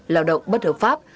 lao động bất hợp pháp